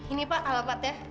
ini pak alamat ya